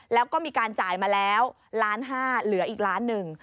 แล้วก็มีการจ่ายมาแล้วล้านห้าเหลืออีกล้านหนึ่ง